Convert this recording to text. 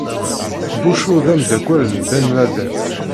Bush ur d ameddakel n Ben Laden.